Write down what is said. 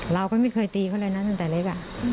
เราก็ไม่เคยตีเขาเลยนะตั้งแต่เล็ก